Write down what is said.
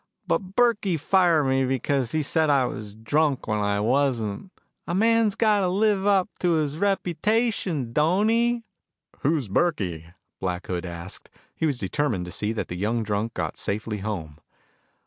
But Burkey fired me because he said I was drunk when I wasn't. A man's gotta live up to his reputation, don't he?" "Who's Burkey?" Black Hood asked. He was determined to see that the young drunk got safely home.